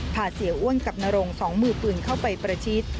พาเสียอ้วนกับนรงสองมือปืนเข้าไปประชิด